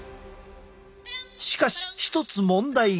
しかし一つ問題が。